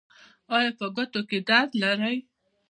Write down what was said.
ایا په ګوتو کې درد لرئ؟